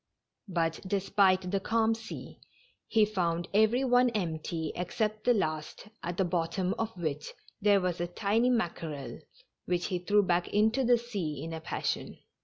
But, despite the calm sea, he found every one empty except the last, at the bottom of which there was a tiny mackerel, which he threw back into the sea in a passion.